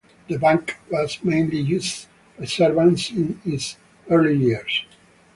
The Bank was mainly used by servants in its early years.